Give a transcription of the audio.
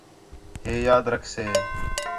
ہے یاد رکھسے